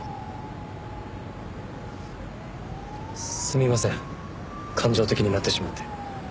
すみません感情的になってしまって。